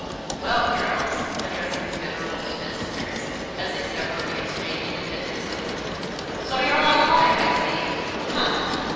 "Well, girls!" addressing the venerable spinsters, as they severally exchanged a tender salute; "so you're all alive, I see; humph!"